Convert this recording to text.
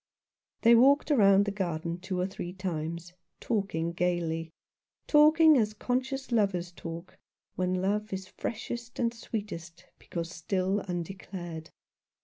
They walked round the garden two or three times, talking gaily, talking as conscious lovers talk, when love is freshest and sweetest because still undeclared.